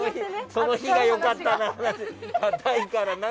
その日が良かったな。